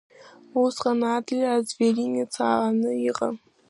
Усҟан Адлер Азверинец ааны иҟан.